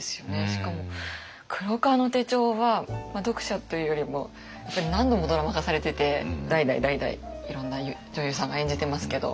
しかも「黒革の手帖」は読者というよりも何度もドラマ化されてて代々代々いろんな女優さんが演じてますけど。